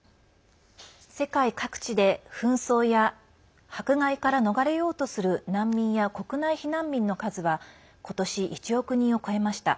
世界各地で紛争や迫害から逃れようとする難民や国内避難民の数は今年１億人を超えました。